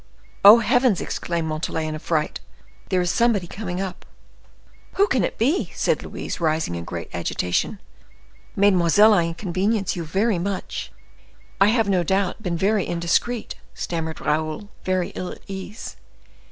"Oh, heavens!" exclaimed Montalais in a fright; "there is somebody coming up." "Who can it be?" said Louise, rising in great agitation. "Mesdemoiselles, I inconvenience you very much. I have, without doubt, been very indiscreet," stammered Raoul, very ill at ease.